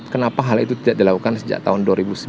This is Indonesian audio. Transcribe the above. kenapa hal itu tidak dilakukan sejak tahun dua ribu sembilan